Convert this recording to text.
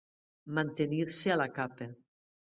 Mantenir-se a la capa.